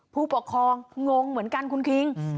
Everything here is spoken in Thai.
ผู้ปกครองงงเหมือนกันคุณคิง